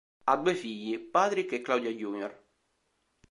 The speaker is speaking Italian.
Ha due figli, Patrick e Claudia junior.